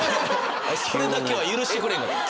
それだけは許してくれんかった。